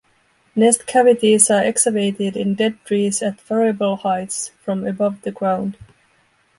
Nest cavities are excavated in dead trees at variable heights, from above the ground.